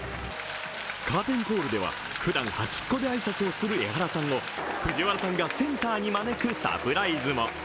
カーテンコールではふだん端っこで挨拶をするエハラさんを藤原さんがセンターに招くサプライズも。